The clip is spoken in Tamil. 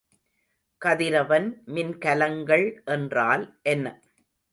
கதிரவன் மின்கலங்கள் என்றால் என்ன?